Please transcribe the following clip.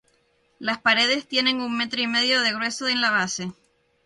Las paredes tienen un metro y medio de grueso en la base.